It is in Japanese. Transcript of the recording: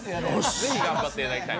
ぜひ、頑張っていただきたい。